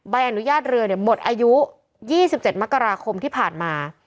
ใบอนุญาตเรือหมดอายุ๒๗มกราคมที่ผ่านมา